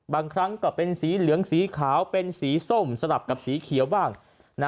บางครั้งก็เป็นสีเหลืองสีขาวเป็นสีส้มสลับกับสีเขียวบ้าง